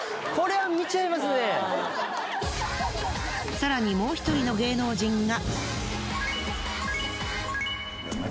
更にもう１人の芸能人が。